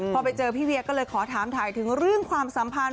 พอไปเจอพี่เวียก็เลยขอถามถ่ายถึงเรื่องความสัมพันธ์